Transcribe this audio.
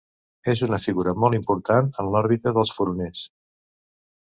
És una figura molt important en l'òrbita dels furoners.